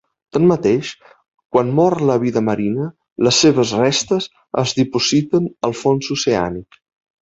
Tanmateix, quan mor la vida marina, les seves restes es dipositen al fons oceànic.